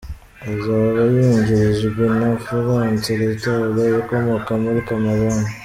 Azaba yungirijwe na Florence Rita Arrey ukomoka muri Cameroun.